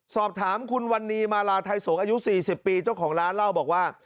สอบถามคุณวันนี้มาลาไทยสงฆ์อายุ๔๐ปีเจ้าของร้านเล่าบอกว่า